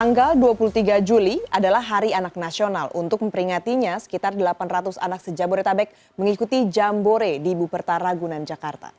tanggal dua puluh tiga juli adalah hari anak nasional untuk memperingatinya sekitar delapan ratus anak sejabodetabek mengikuti jambore di buperta ragunan jakarta